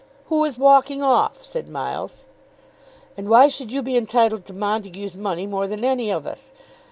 "Who is walking off?" said Miles. "And why should you be entitled to Montague's money more than any of us?"